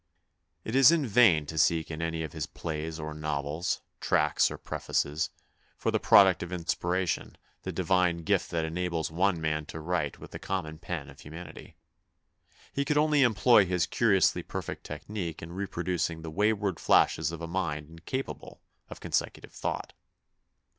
It is in vain to seek in any of his plays or novels, tracts or prefaces, for the pro duct of inspiration, the divine gift that enables one man to write with the common pen of humanity. He could only employ his curi ously perfect technique in reproducing the wayward flashes of a mind incapable of con secutive thought.